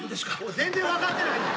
全然分かってないやん。